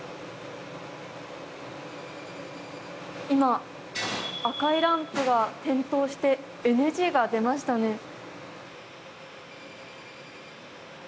今赤いランプが点灯してＮＧが出ましたね。